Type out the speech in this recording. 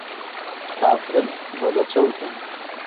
کافرن مەزه چەوتن